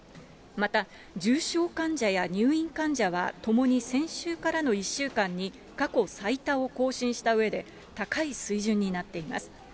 また、重症患者や入院患者はともに先週からの１週間に過去最多を更新したうえで、高い水準になっています。